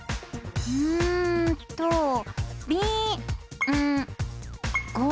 うんと「びんご」？